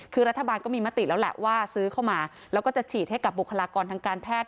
คือรัฐบาลก็มีมติแล้วแหละว่าซื้อเข้ามาแล้วก็จะฉีดให้กับบุคลากรทางการแพทย์